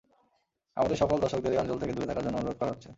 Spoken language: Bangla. আমাদের সকল দর্শকদের এই অঞ্চল থেকে দূরে থাকার জন্য অনুরোধ করা হচ্ছে।